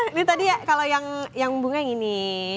ini tadi ya kalau yang bunga yang ini